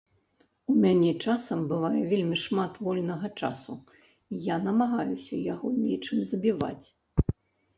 У мяне часам бывае вельмі шмат вольнага часу, і я намагаюся яго нечым забіваць.